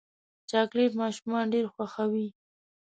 چاکلېټ ماشومان ډېر خوښوي.